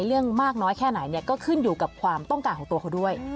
เรื่องมากน้อยแค่ไหนเนี่ยก็ขึ้นอยู่กับความต้องการของตัวเขาด้วย